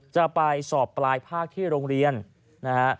จะไปสอบปลายภาคที่โรงเรียนนะฮะ